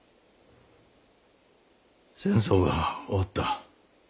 戦争が終わった。